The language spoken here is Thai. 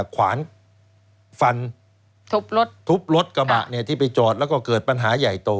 ขวานฟันทุบรถทุบรถกระบะเนี่ยที่ไปจอดแล้วก็เกิดปัญหาใหญ่โต